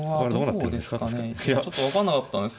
ちょっと分かんなかったんです。